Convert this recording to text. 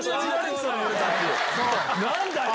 何だよ！